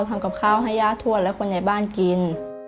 ทำกับข้าวให้ย่าทวดและคนในบ้านกิน